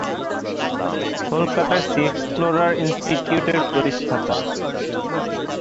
কলকাতার 'Sea Explorer Institute' এর প্রতিষ্ঠাতা।